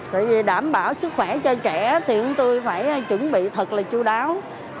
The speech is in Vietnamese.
tại vì đảm bảo sức khỏe cho trẻ thì chúng tôi phải chuẩn bị thật là chú đáo